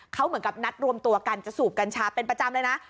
เขาเหมือนกับนัดรวมตัวกันจะสูบกัญชาเป็นประจำเลยนะ